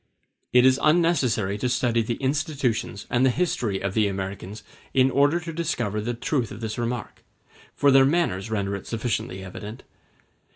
It is unnecessary to study the institutions and the history of the Americans in order to discover the truth of this remark, for their manners render it sufficiently evident.